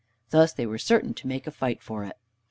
Thus they were certain to make a fight for it.